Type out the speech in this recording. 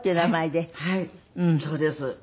はいそうです。